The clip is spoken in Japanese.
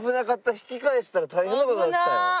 引き返したら大変な事になってたよ。